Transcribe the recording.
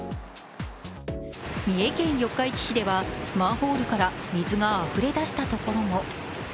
三重県四日市市ではマンホールから水があふれ出したところも。